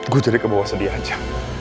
gue jadi kebawa sedih aja